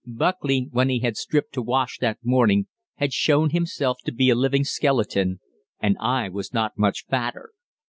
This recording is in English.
Buckley, when he had stripped to wash that morning, had shown himself to be a living skeleton, and I was not much fatter.